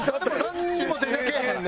なんにも出てけえへんね。